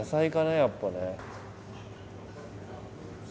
やっぱね。